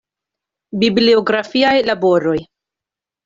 Bibliografiaj laboroj.